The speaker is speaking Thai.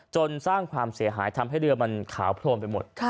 สร้างความเสียหายทำให้เรือมันขาวโพรมไปหมด